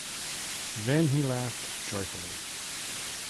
Then he laughed joyfully.